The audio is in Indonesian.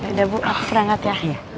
ya udah bu aku perangkat ya